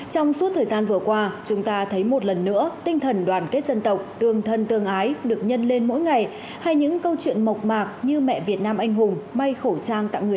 trong suốt thời gian vừa qua chúng ta thấy một lần nữa tinh thần đoàn kết dân tộc tương thân tương ái được nhân lên mỗi ngày hay những câu chuyện mộc mạc như mẹ việt nam anh hùng